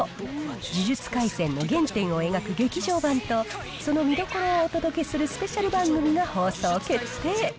呪術廻戦の原点を描く劇場版と、その見どころをお届けするスペシャル番組が放送決定。